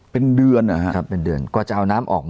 ตั้งแต่กว่าจะเกิดเป็นเดือน